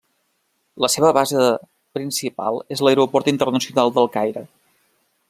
La seva base principal és l'Aeroport Internacional del Caire.